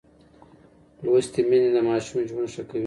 لوستې میندې د ماشوم ژوند ښه کوي.